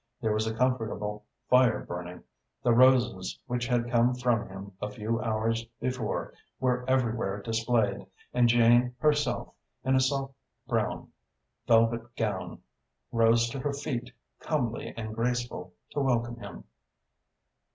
There was a comfortable fire burning, the roses which had come from him a few hours before were everywhere displayed, and Jane herself, in a soft brown velvet gown, rose to her feet, comely and graceful, to welcome him.